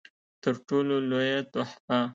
تر ټولو لويه تحفه